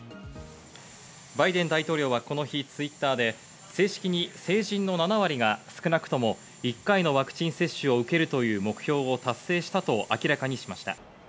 バイデン大統領はこの日、Ｔｗｉｔｔｅｒで正式に成人の７割が少なくとも１回のワクチン接種を受けるという目標を達成したと明らかにしました。